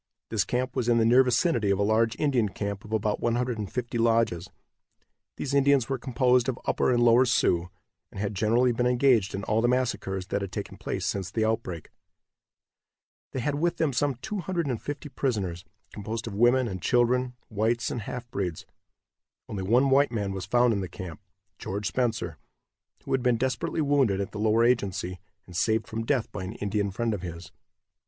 This camp was in the near vicinity of a large Indian camp of about 150 lodges. These Indians were composed of Upper and Lower Sioux, and had generally been engaged in all the massacres that had taken place since the outbreak. They had with them some 250 prisoners, composed of women and children, whites and half breeds. Only one white man was found in the camp, George Spencer, who had been desperately wounded at the Lower Agency, and saved from death by an Indian friend of his.